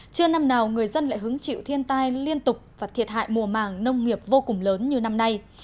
chưa năm nào người dân lại hứng chịu thiên tai liên tục và thiệt hại mùa màng nông nghiệp vô cùng lớn như năm nay